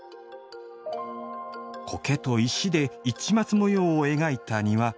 苔と石で市松模様を描いた庭。